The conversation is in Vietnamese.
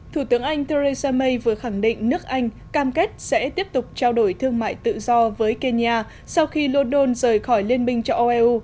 thủ tướng anh theresa may vừa khẳng định nước anh cam kết sẽ tiếp tục trao đổi thương mại tự do với kenya sau khi london rời khỏi liên minh châu âu eu